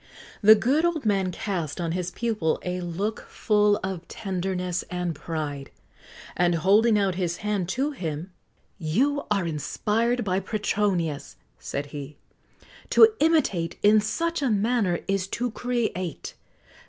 [XX 71] The good old man cast on his pupil a look full of tenderness and pride; and, holding out his hand to him: "You are inspired by Petronius," said he; "to imitate in such a manner is to create.